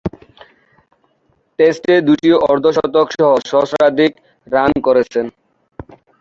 টেস্টে দু’টি অর্ধ-শতকসহ সহস্রাধিক রান করেছেন।